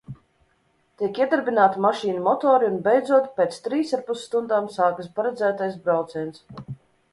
Tiek iedarbināti mašīnu motori un beidzot, pēc trīsarpus stundām, sākas paredzētais brauciens.